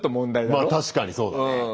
まあ確かにそうだね。